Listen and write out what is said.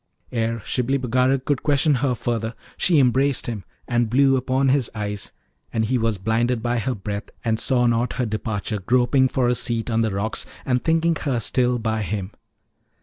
Ere Slubli Bagarag could question her further she embraced him, and blew upon his eyes, and he was blinded by her breath, and saw not her departure, groping for a seat on the rocks, and thinking her still by him.